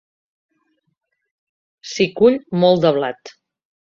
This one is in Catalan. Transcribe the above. S'hi cull molt de blat.